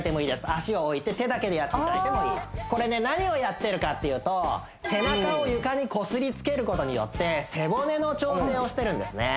足を置いて手だけでやっていただいてもいいこれね何をやってるかっていうと背中を床にこすりつけることによって背骨の調整をしてるんですね